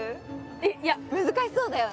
えっいや難しそうだよね